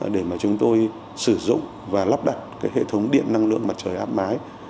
để mà chúng tôi sử dụng và lắp đặt hệ thống điện năng lượng mặt trời áp mái